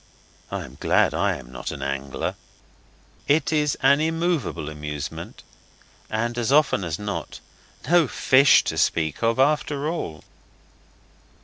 I am glad I am not an angler. It is an immovable amusement, and, as often as not, no fish to speak of after all.